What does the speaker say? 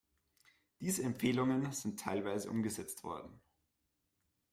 Diese Empfehlungen sind teilweise umgesetzt worden.